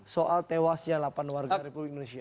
soal tewasnya delapan warga republik indonesia